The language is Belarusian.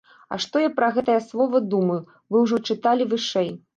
А што я пра гэтае слова думаю, вы ўжо чыталі вышэй.